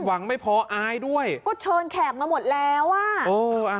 หวังไม่พออายด้วยก็เชิญแขกมาหมดแล้วอ่ะเอออ่ะ